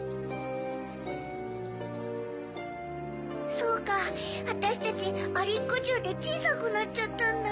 そうかあたしたちアリンコじゅうでちいさくなっちゃったんだ。